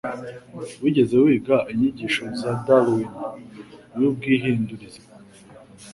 Wigeze wiga inyigisho ya Darwin y'ubwihindurize?